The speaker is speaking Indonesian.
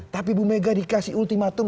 tapi bu mega dikasih ultimatum